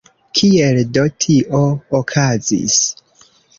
Kiel do tio okazis?